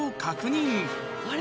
「あれ？